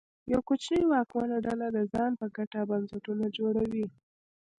یوه کوچنۍ واکمنه ډله د ځان په ګټه بنسټونه جوړوي.